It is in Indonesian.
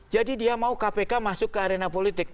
jadi dia mau kpk masuk ke arena politik